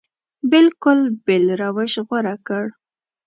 بلکل بېل روش غوره کړ.